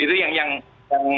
itu yang kita inginkan